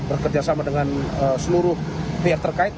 bekerjasama dengan seluruh pihak terkait